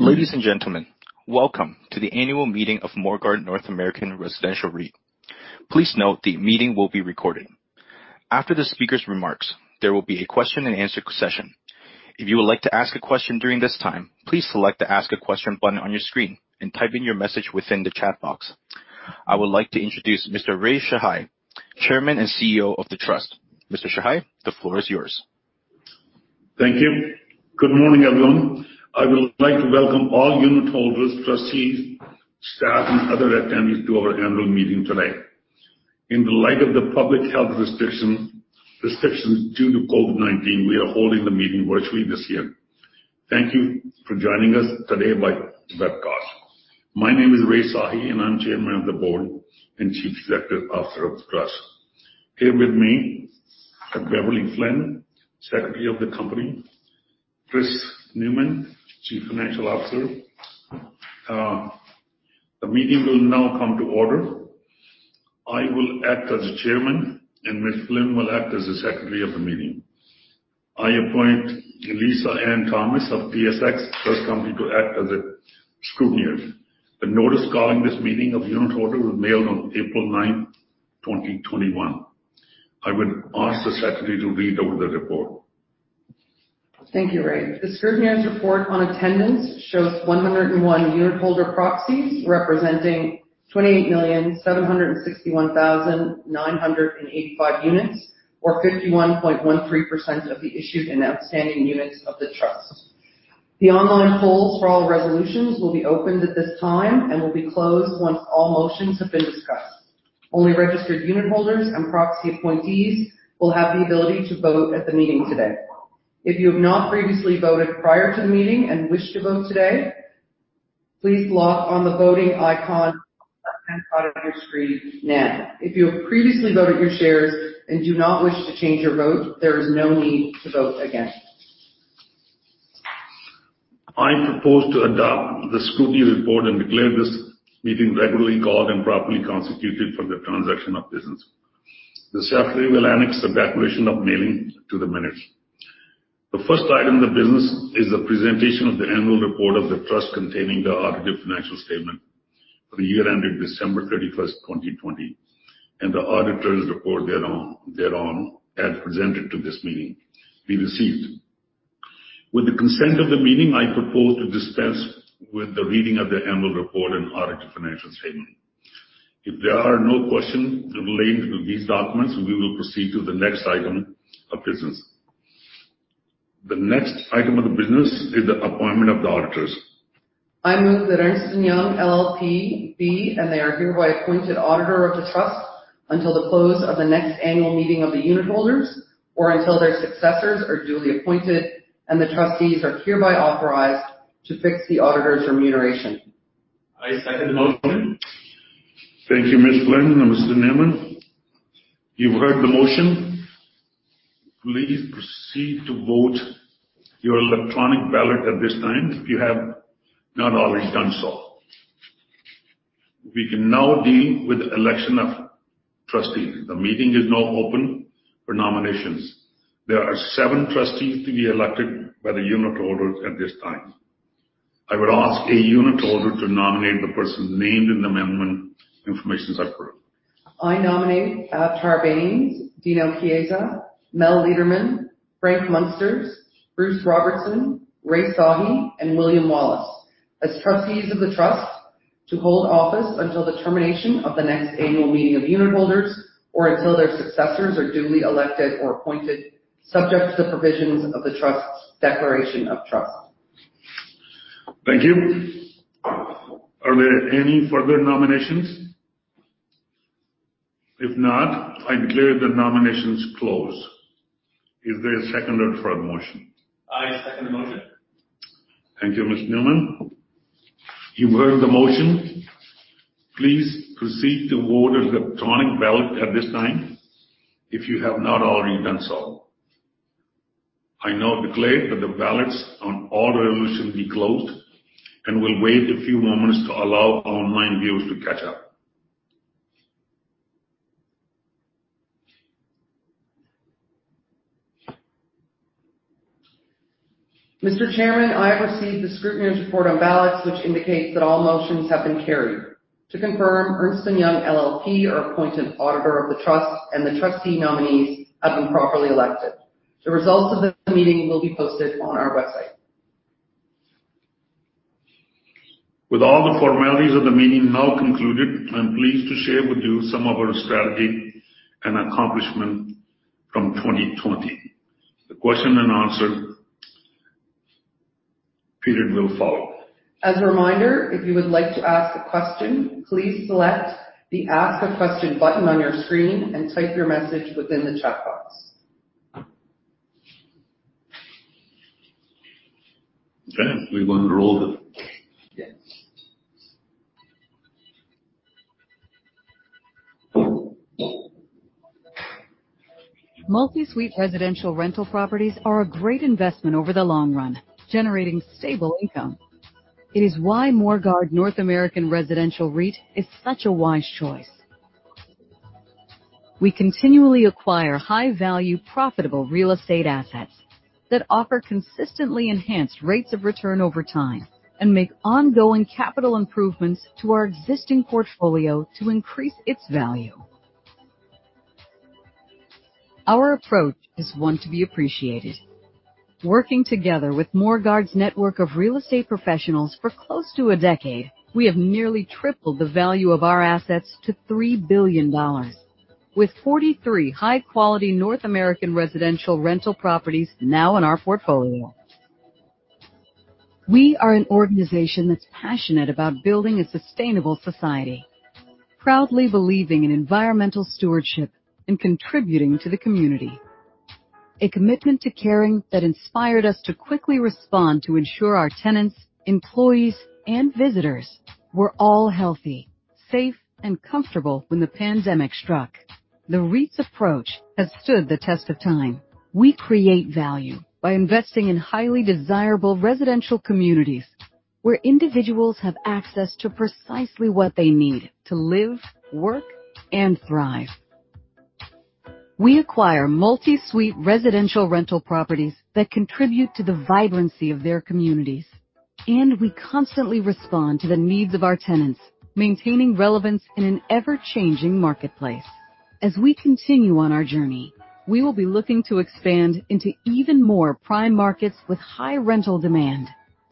Ladies and gentlemen, welcome to the annual meeting of Morguard North American Residential REIT. Please note the meeting will be recorded. After the speaker's remarks, there will be a question and answer session. If you would like to ask a question during this time, please select the Ask a Question button on your screen and type in your message within the chat box. I would like to introduce Mr. K. Rai Sahi, Chairman and CEO of the Trust. Mr. Sahi, the floor is yours. Thank you. Good morning, everyone. I would like to welcome all unitholders, trustees, staff, and other attendees to our annual meeting today. In the light of the public health restrictions due to COVID-19, we are holding the meeting virtually this year. Thank you for joining us today by webcast. My name is K. Rai Sahi, and I'm Chairman of the Board and Chief Executive Officer of the Trust. Here with me are Beverley G. Flynn, Secretary of the Company, Christopher Newman, Chief Financial Officer. The meeting will now come to order. I will act as Chairman, and Ms. Flynn will act as the Secretary of the Meeting. I appoint Lisa Anne Thomas of TSX Trust Company to act as a scrutineer. The notice calling this meeting of unitholders was mailed on April ninth, 2021. I would ask the Secretary to read out the report. Thank you, Rai. The scrutineer's report on attendance shows 101 unitholder proxies representing 28,761,985 units, or 51.13% of the issued and outstanding units of the Trust. The online polls for all resolutions will be opened at this time and will be closed once all motions have been discussed. Only registered unitholders and proxy appointees will have the ability to vote at the meeting today. If you have not previously voted prior to the meeting and wish to vote today, please click on the voting icon on your screen now. If you have previously voted your shares and do not wish to change your vote, there is no need to vote again. I propose to adopt the scrutiny report and declare this meeting regularly called and properly constituted for the transaction of business. The secretary will annex the declaration of mailing to the minutes. The first item of the business is the presentation of the annual report of the Trust containing the audited financial statement for the year ended December 31st, 2020, and the auditor's report thereon as presented to this meeting. Be received. With the consent of the meeting, I propose to dispense with the reading of the annual report and audited financial statement. If there are no questions relating to these documents, we will proceed to the next item of business. The next item of the business is the appointment of the auditors. I move that Ernst & Young LLP be, and they are hereby appointed auditor of the Trust until the close of the next annual meeting of the unitholders or until their successors are duly appointed and the trustees are hereby authorized to fix the auditor's remuneration. I second the motion. Thank you, Ms. Flynn and Mr. Newman. You've heard the motion. Please proceed to vote your electronic ballot at this time, if you have not already done so. We can now deal with election of trustees. The meeting is now open for nominations. There are seven trustees to be elected by the unitholders at this time. I would ask a unitholder to nominate the person named in the amendment information as approved. I nominate Avtar T. Bains, Dino Chiesa, Mel Leiderman, Frank Munsters, Bruce K. Robertson, K. Rai Sahi, and William O. Wallace as trustees of the Trust to hold office until the termination of the next annual meeting of unitholders or until their successors are duly elected or appointed, subject to the provisions of the Trust's declaration of trust. Thank you. Are there any further nominations? If not, I declare the nominations closed. Is there a seconder for our motion? I second the motion. Thank you, Mr. Newman. You've heard the motion. Please proceed to vote as electronic ballot at this time if you have not already done so. I now declare that the ballots on all resolutions be closed and will wait a few moments to allow online viewers to catch up. Mr. Chairman, I have received the scrutineer's report on ballots, which indicates that all motions have been carried. To confirm, Ernst & Young LLP are appointed auditor of the Trust, and the trustee nominees have been properly elected. The results of the meeting will be posted on our website. With all the formalities of the meeting now concluded, I am pleased to share with you some of our strategy and accomplishment from 2020. The question and answer period will follow. As a reminder, if you would like to ask a question, please select the Ask a Question button on your screen and type your message within the chat box. Okay. We will roll them. Yes. Multi-suite residential rental properties are a great investment over the long run, generating stable income. It is why Morguard North American Residential REIT is such a wise choice. We continually acquire high-value, profitable real estate assets that offer consistently enhanced rates of return over time and make ongoing capital improvements to our existing portfolio to increase its value. Our approach is one to be appreciated. Working together with Morguard's network of real estate professionals for close to a decade, we have nearly tripled the value of our assets to 3 billion dollars, with 43 high-quality North American residential rental properties now in our portfolio. We are an organization that's passionate about building a sustainable society, proudly believing in environmental stewardship and contributing to the community. A commitment to caring that inspired us to quickly respond to ensure our tenants, employees, and visitors were all healthy, safe, and comfortable when the pandemic struck. The REIT's approach has stood the test of time. We create value by investing in highly desirable residential communities, where individuals have access to precisely what they need to live, work, and thrive. We acquire multi-suite residential rental properties that contribute to the vibrancy of their communities, and we constantly respond to the needs of our tenants, maintaining relevance in an ever-changing marketplace. As we continue on our journey, we will be looking to expand into even more prime markets with high rental demand,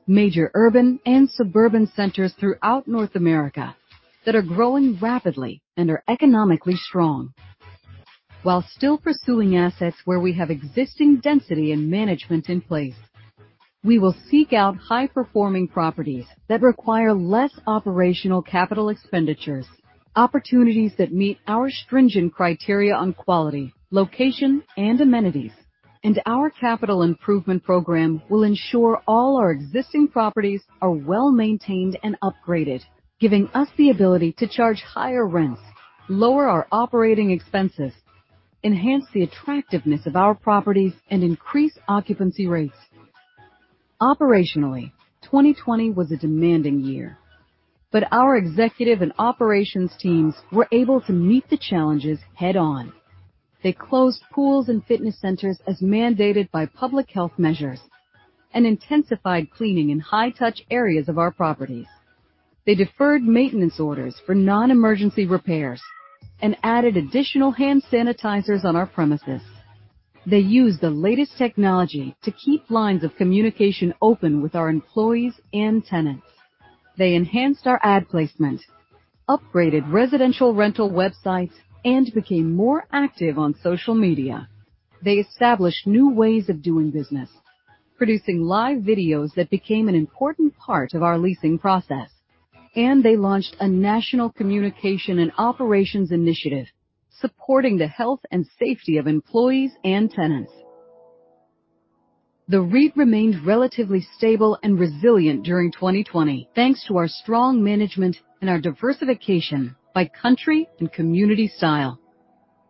major urban and suburban centers throughout North America that are growing rapidly and are economically strong. While still pursuing assets where we have existing density and management in place, we will seek out high-performing properties that require less operational capital expenditures, opportunities that meet our stringent criteria on quality, location, and amenities. Our capital improvement program will ensure all our existing properties are well-maintained and upgraded, giving us the ability to charge higher rents, lower our operating expenses, enhance the attractiveness of our properties, and increase occupancy rates. Operationally, 2020 was a demanding year. Our executive and operations teams were able to meet the challenges head-on. They closed pools and fitness centers as mandated by public health measures and intensified cleaning in high-touch areas of our properties. They deferred maintenance orders for non-emergency repairs and added additional hand sanitizers on our premises. They used the latest technology to keep lines of communication open with our employees and tenants. They enhanced our ad placement, upgraded residential rental websites, and became more active on social media. They established new ways of doing business, producing live videos that became an important part of our leasing process. They launched a national communication and operations initiative supporting the health and safety of employees and tenants. The REIT remained relatively stable and resilient during 2020, thanks to our strong management and our diversification by country and community style.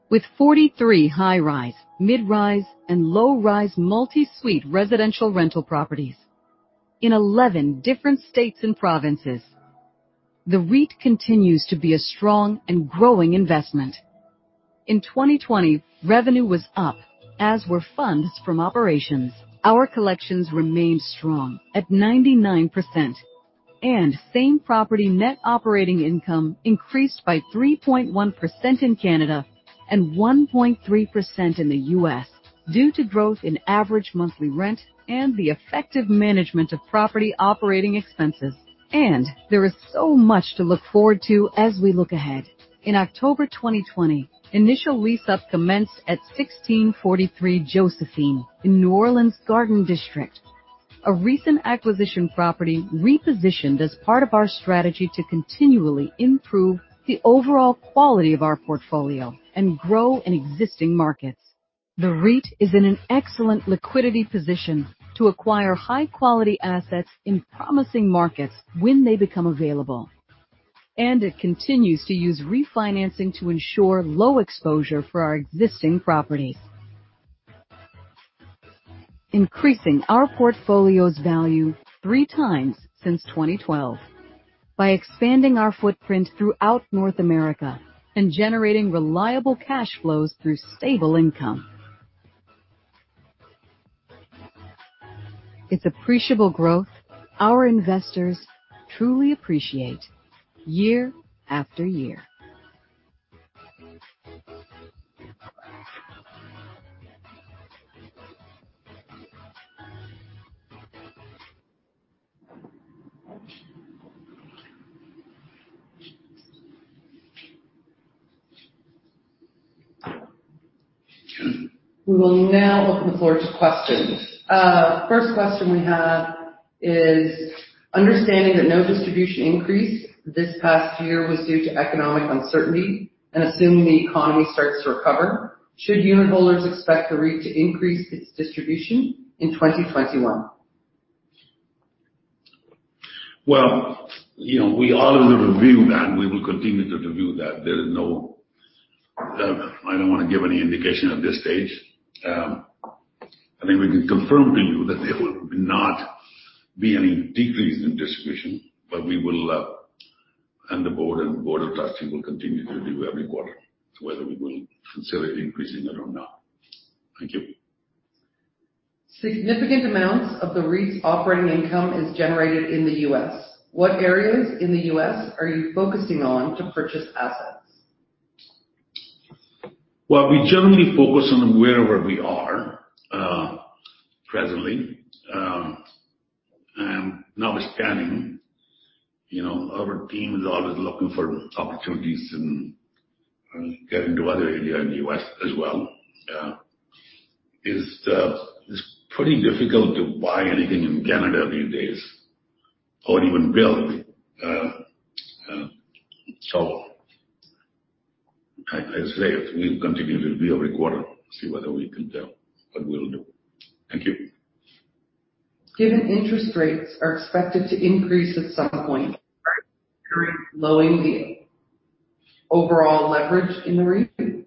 With 43 high-rise, mid-rise, and low-rise multi-suite residential rental properties in 11 different states and provinces, the REIT continues to be a strong and growing investment. In 2020, revenue was up, as were funds from operations. Our collections remained strong at 99%, and same-property net operating income increased by 3.1% in Canada and 1.3% in the U.S. due to growth in average monthly rent and the effective management of property operating expenses. There is so much to look forward to as we look ahead. In October 2020, initial lease-up commenced at 1643 Josephine in New Orleans' Garden District. A recent acquisition property repositioned as part of our strategy to continually improve the overall quality of our portfolio and grow in existing markets. The REIT is in an excellent liquidity position to acquire high-quality assets in promising markets when they become available, and it continues to use refinancing to ensure low exposure for our existing properties. Increasing our portfolio's value three times since 2012 by expanding our footprint throughout North America and generating reliable cash flows through stable income. It's appreciable growth our investors truly appreciate year after year. We will now open the floor to questions. First question we have is, understanding that no distribution increase this past year was due to economic uncertainty, and assuming the economy starts to recover, should unitholders expect the REIT to increase its distribution in 2021? Well, we are going to review that, and we will continue to review that. I don't want to give any indication at this stage. I mean, we can confirm to you that there will not be any decrease in distribution, but we will, and the board of trustees will continue to review every quarter whether we will consider increasing or not. Thank you. Significant amounts of the REIT's operating income is generated in the U.S. What areas in the U.S. are you focusing on to purchase assets? Well, we generally focus on wherever we are presently. Notwithstanding, our team is always looking for opportunities and get into other areas in the U.S. as well. Yeah. It's pretty difficult to buy anything in Canada these days or even build. I say we'll continue to review every quarter to see whether we can tell what we'll do. Thank you. Given interest rates are expected to increase at some point, are you considering lowering the overall leverage in the REIT?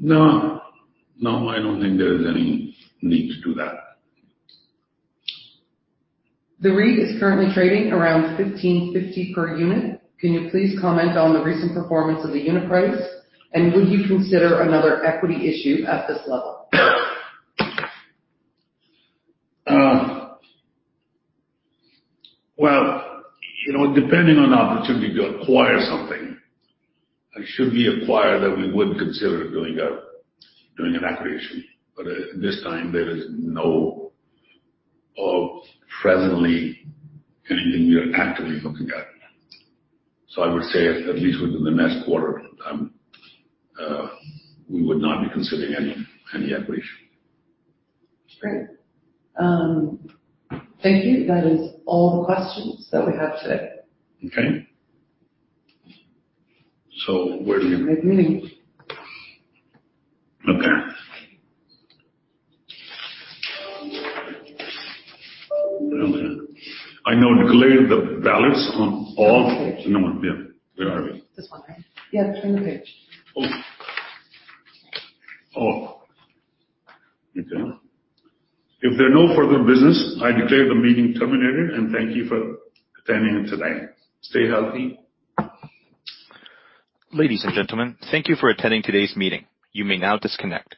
No. I don't think there is any need to do that. The REIT is currently trading around 15.50 per unit. Can you please comment on the recent performance of the unit price, and would you consider another equity issue at this level? Well, depending on opportunity to acquire something, and should we acquire that, we would consider doing an equity issue. At this time, there is no presently anything we are actively looking at. I would say at least within the next quarter, we would not be considering any equity issue. Great. Thank you. That is all the questions that we have today. Okay. Next meeting. Okay. I now declare the ballots. No, where are we? This one, right? Yeah, turn the page. Okay. If there are no further business, I declare the meeting terminated, and thank you for attending today. Stay healthy. Ladies and gentlemen, thank you for attending today's meeting. You may now disconnect.